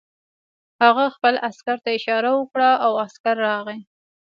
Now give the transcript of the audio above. هغه خپل عسکر ته اشاره وکړه او عسکر راغی